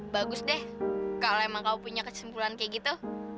bagus deh kalau emang kamu punya kesimpulan kayak gitu